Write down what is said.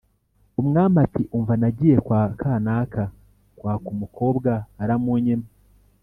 umwami ati ‘umva nagiye kwa kanaka kwaka umukobwa, aramunyima.